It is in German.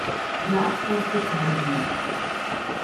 Platz ausgezeichnet.